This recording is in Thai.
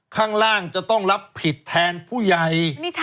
ข้างล่างจะต้องรับผิดแทนผู้ใหญ่